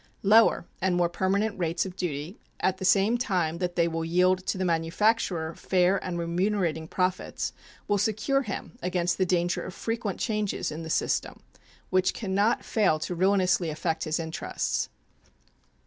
Lower and more permanent rates of duty, at the same time that they will yield to the manufacturer fair and remunerating profits, will secure him against the danger of frequent changes in the system, which can not fail to ruinously affect his interests.